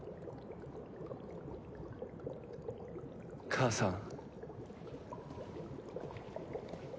母さん。